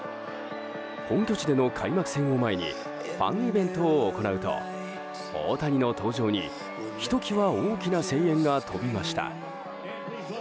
本拠地での開幕戦を前にファンイベントを行うと大谷の登場にひときわ大きな声援が飛びました。